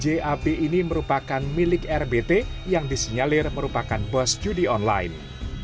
jat t tujuh jab ini merupakan milik rbt yang disinyalir merupakan bos judi online